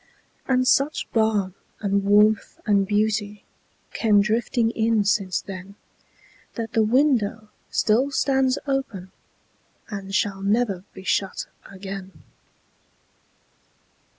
And such balm and warmth and beautyCame drifting in since then, That the window still stands openAnd shall never be shut again.